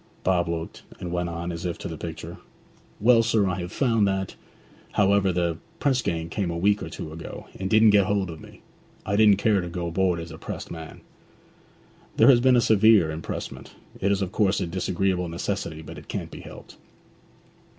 Bob looked, and went on, as if to the picture, 'Well, sir, I have found that However, the press gang came a week or two ago, and didn't get hold of me. I didn't care to go aboard as a pressed man.' 'There has been a severe impressment. It is of course a disagreeable necessity, but it can't be helped.'